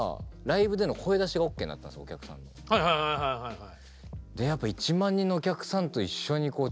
はいはいはいはいはい。